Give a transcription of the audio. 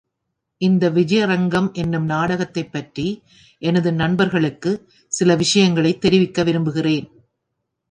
இந்த விஜயரங்கம் என்னும் நாடகத்தைப்பற்றி எனது நண்பர்களுக்குச் சில விஷயங்களைத் தெரிவிக்க விரும்புகிறேன்.